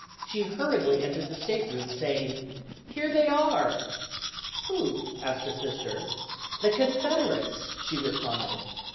She hurriedly entered the state room, saying: "Here they are!" "Who?" asked a Sister. "The Confederates," she replied.